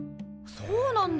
そうなんだ！